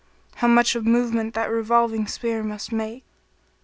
* How much of movement that revolving sphere must make.